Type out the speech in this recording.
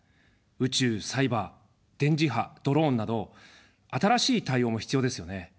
宇宙・サイバー・電磁波・ドローンなど新しい対応も必要ですよね。